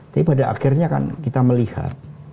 tapi pada akhirnya kan kita melihat